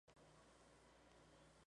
Eran el pueblo astur más meridional.